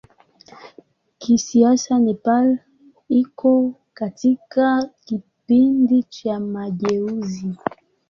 Kisiasa Nepal iko katika kipindi cha mageuzi.